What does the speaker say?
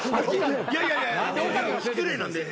いやいやいや失礼なんで。